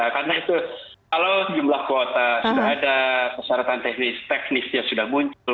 karena itu kalau jumlah kuota sudah ada persyaratan teknisnya sudah muncul